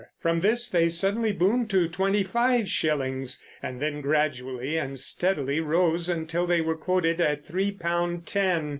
From this they suddenly boomed to twenty five shillings, and then gradually and steadily rose until they were quoted at three pound ten.